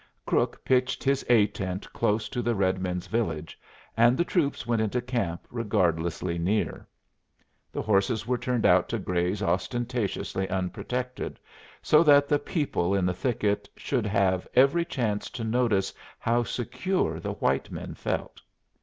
Crook pitched his A tent close to the red men's village, and the troops went into camp regardlessly near. The horses were turned out to graze ostentatiously unprotected, so that the people in the thicket should have every chance to notice how secure the white men felt.